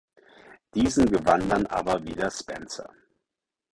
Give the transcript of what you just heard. Diesen gewann dann aber wieder Spencer.